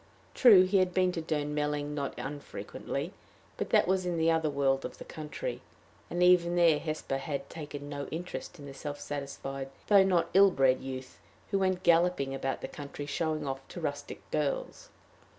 True, he had been to Durnmelling not unfrequently, but that was in the other world of the country, and even there Hesper had taken no interest in the self satisfied though not ill bred youth who went galloping about the country, showing off to rustic girls.